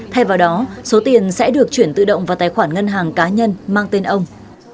thay vào đó số tiền sẽ được chuyển tự động vào tài khoản ngân hàng cá nhân mang tên ông